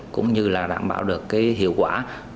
cũng như là đảm bảo được hiệu quả